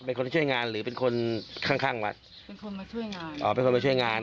เป็นคนช่วยงานหรือเป็นคนข้างข้างวัดเป็นคนมาช่วยงานอ๋อเป็นคนมาช่วยงาน